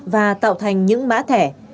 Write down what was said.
và tạo thành những mã thẻ